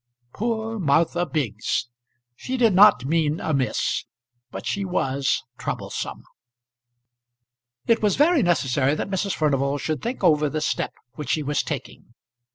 Poor Martha Biggs! She did not mean amiss; but she was troublesome. It was very necessary that Mrs. Furnival should think over the step which she was taking.